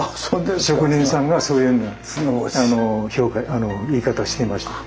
職人さんがそういうような言い方をしていました。